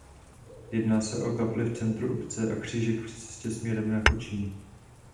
Jedná se o kapli v centru obce a křížek při cestě směrem na Kočí.